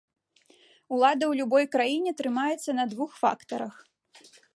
Улада ў любой краіне трымаецца на двух фактарах.